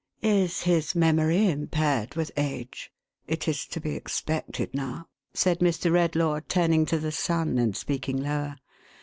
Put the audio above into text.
" Is his memory impaired with age ? It is to be expected now," said Mr. Redlaw, turning to the son, and speaking lower.